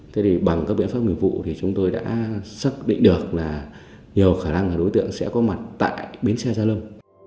thế thì bằng các biện pháp nghiệp vụ thì chúng tôi đã xác định được là nhiều khả năng là đối tượng sẽ có mặt tại bến xe gia lâm